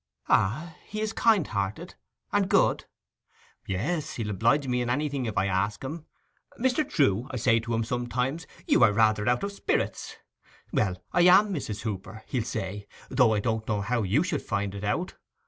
'Ah, he's kind hearted ... and good.' 'Yes; he'll oblige me in anything if I ask him. "Mr. Trewe," I say to him sometimes, "you are rather out of spirits." "Well, I am, Mrs. Hooper," he'll say, "though I don't know how you should find it out."